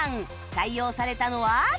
採用されたのは？